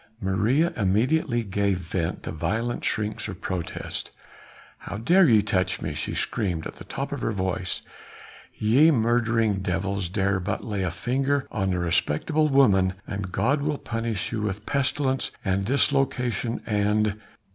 Maria immediately gave vent to violent shrieks of protest. "How dare ye touch me!" she screamed at the top of her voice, "ye murdering devils dare but lay a finger on a respectable woman and God will punish you with pestilence and dislocation and